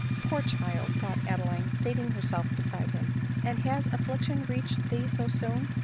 " Poor child !" thought Adeline, seating herself beside him ;" and has affliction reached thee so soon